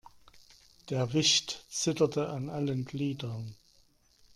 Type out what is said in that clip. Der Wicht zitterte an allen Gliedern.